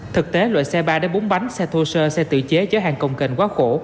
thực tế loại xe ba bốn bánh xe thô sơ xe tự chế chở hàng công kênh quá khổ